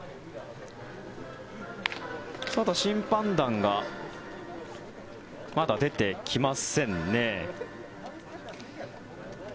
ただ、審判団がまだ出てきませんね。